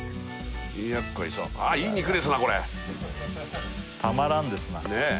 よっこいしょああいい肉ですなこれたまらんですなねえ